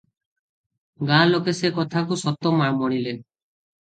ଗାଁ ଲୋକେ ସେ କଥାକୁ ସତ ମଣିଲେ ।